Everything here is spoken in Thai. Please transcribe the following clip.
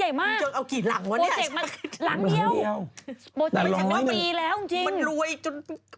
เขาจะมีน้องหรือเปล่าพี่หลังใหญ่มากโปเจกมาหลังเดียวมันรวยจน